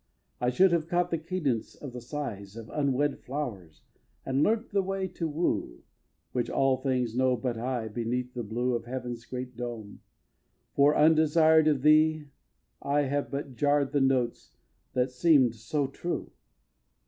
I should have caught the cadence of the sighs Of unwed flowers, and learnt the way to woo, Which all things know but I, beneath the blue Of Heaven's great dome; for, undesired of thee, I have but jarr'd the notes that seem'd so true.